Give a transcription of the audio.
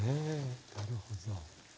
なるほど。